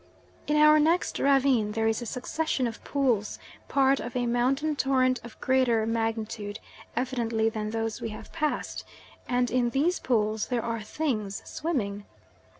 In our next ravine there is a succession of pools, part of a mountain torrent of greater magnitude evidently than those we have passed, and in these pools there are things swimming.